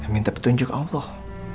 minta petunjuk allah